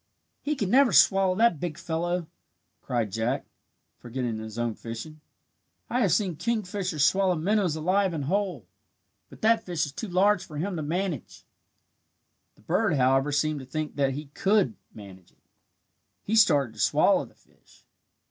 "He can never swallow that big fellow!" cried Jack, forgetting his own fishing. "I have seen kingfishers swallow minnows alive and whole, but that fish is too large for him to manage!" The bird, however, seemed to think that he could "manage" it. He started to swallow the fish.